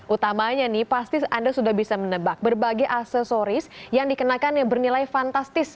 utamanya nih pasti anda sudah bisa menebak berbagai aksesoris yang dikenakan yang bernilai fantastis